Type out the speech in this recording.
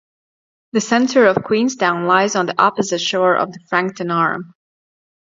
The centre of Queenstown lies on the opposite shore of the Frankton Arm.